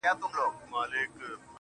خو دا لمر بيا په زوال د چا د ياد .